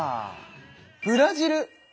ブラジル。